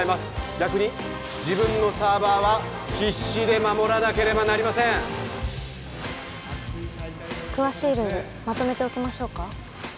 逆に自分のサーバーは必死で守らなければなりません詳しいルールまとめておきましょうか？